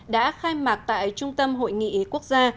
đã khai mạc tại trung tâm hội nghị quốc gia